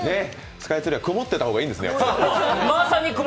スカイツリーは曇ってた方がいいんですね。